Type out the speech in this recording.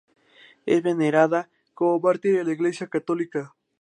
Es venerada como mártir en la Iglesia católica.